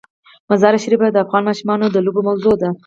مزارشریف د افغان ماشومانو د لوبو موضوع ده.